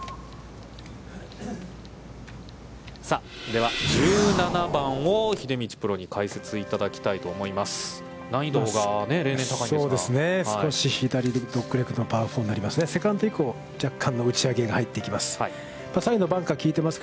では、１７番を秀道プロに解説いただきたいと思います。